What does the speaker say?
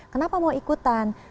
kenapa mau ikutan